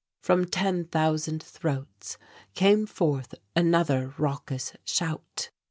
From ten thousand throats came forth another raucous shout.